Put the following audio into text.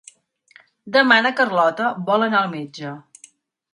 Demà na Carlota vol anar al metge.